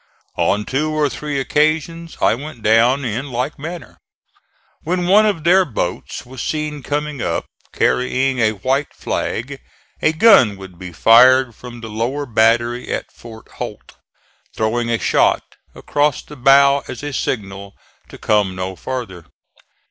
On two or three occasions I went down in like manner. When one of their boats was seen coming up carrying a white flag, a gun would be fired from the lower battery at Fort Holt, throwing a shot across the bow as a signal to come no farther.